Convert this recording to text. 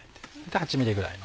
８ｍｍぐらいの。